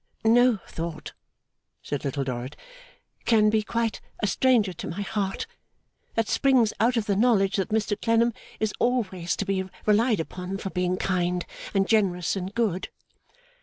'No thought,' said Little Dorrit, 'can be quite a stranger to my heart, that springs out of the knowledge that Mr Clennam is always to be relied upon for being kind and generous and good.